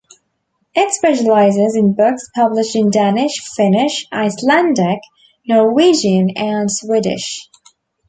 It specializes in books published in Danish, Finnish, Icelandic, Norwegian, and Swedish.